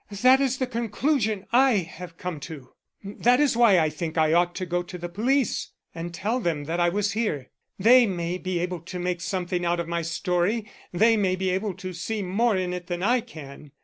"That is the conclusion I have come to; that is why I think I ought to go to the police and tell them that I was here. They may be able to make something out of my story they may be able to see more in it than I can.